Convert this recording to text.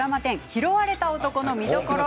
「拾われた男」の見どころ